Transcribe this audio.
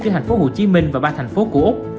cho thành phố hồ chí minh và ba thành phố của úc